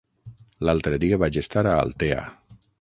L'altre dia vaig estar a Altea.